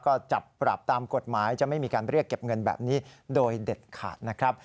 ก็จับปรับตามกฎหมายจะไม่มีการเรียกเก็บเงินแบบนี้โดยเด็ดขาดนะครับ